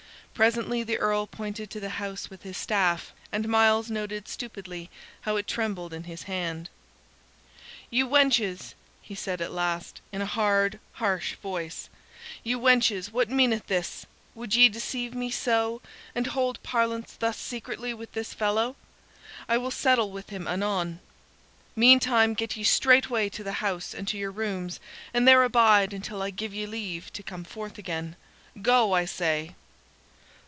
Presently the Earl pointed to the house with his staff, and Myles noted stupidly how it trembled in his hand. "Ye wenches," said he at last, in a hard, harsh voice "ye wenches, what meaneth this? Would ye deceive me so, and hold parlance thus secretly with this fellow? I will settle with him anon. Meantime get ye straightway to the house and to your rooms, and there abide until I give ye leave to come forth again. Go, I say!"